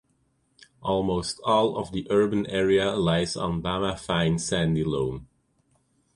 Almost all of the urban area lies on Bama fine sandy loam.